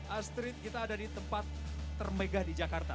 astrid kita ada di tempat termegah di jakarta